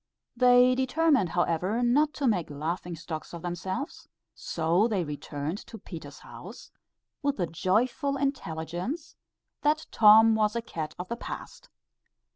They determined however not to make laughing stocks of themselves, so they returned to Peter's house with the joyful intelligence, that Tom was a cat of the past.